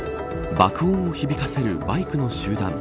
爆音を響かせるバイクの集団。